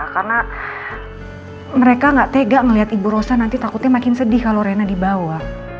karena mereka gak tega ngeliat ibu rosa nanti takutnya makin sedih kalau rina dibawa